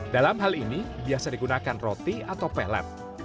dalam hal ini biasa digunakan roti atau pelet